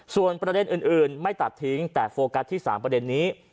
ส่วนประเด็นอื่นไม่ตัดทิ้งแต่โฟกัสที่๓ประเด็นนี้